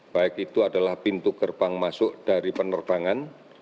baik itu adalah pintu gerbang masuk dari penerbangan